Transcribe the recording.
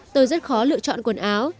tôi rất khó lựa chọn quần áo